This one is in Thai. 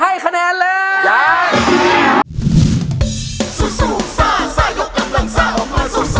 เยี่ยม